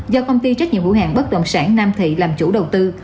do công ty trách nhiệm hữu hàng bất động sản nam thị làm chủ đầu tư